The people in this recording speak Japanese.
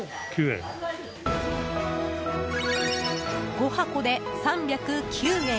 ５箱で３０９円。